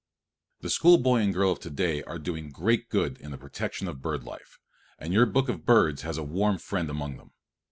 The schoolboy and girl of to day are doing great good in the protection of bird life, and your book of birds has a warm friend among them.